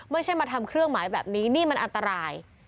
ไม่ใช่มาทำเครื่องหมายแบบนี้นี่มันอันตราย